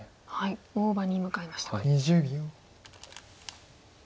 大場に向かいました。